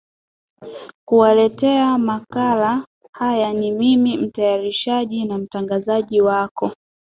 kuwaletea makala haya ni mimi mtayarishaji na mtangazaji wako